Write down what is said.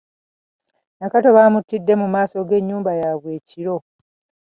Nakato baamuttidde mu maaso g'ennyumba yaabwe ekiro.